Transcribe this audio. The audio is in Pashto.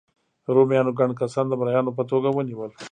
رومیانو ګڼ کسان د مریانو په توګه ونیول.